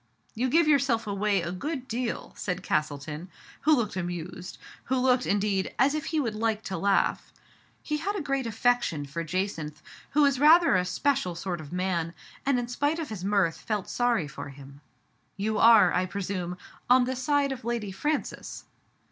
"You give yourself away a good deal," said Castleton, who looked amused — who looked, in deed, as if he would like to laugh. He had a great affection for Jacynth, who was rather a special sort of man, and in spite of his mirth felt sorry for him. " Yoli are, I presume, on the side of Lady Francis."